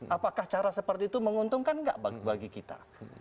apakah cara seperti itu menguntungkan nggak bagi kita